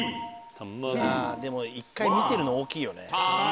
でも１回見てるの大きいよね。